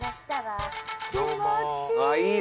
気持ちいい。